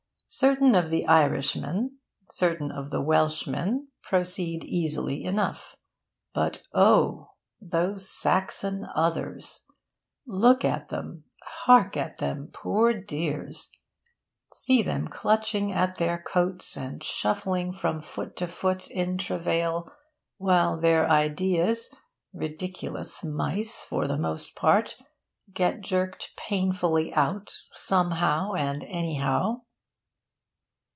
certain of the Irishmen, certain of the Welshmen, proceed easily enough. But oh! those Saxon others! Look at them, hark at them, poor dears! See them clutching at their coats, and shuffling from foot to foot in travail, while their ideas ridiculous mice, for the most part get jerked painfully out somehow and anyhow.